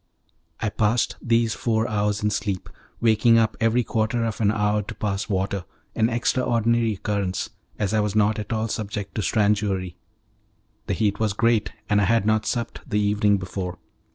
I passed these four hours in sleep, waking up every quarter of an hour to pass water an extraordinary occurrence, as I was not at all subject to stranguary; the heat was great, and I had not supped the evening before.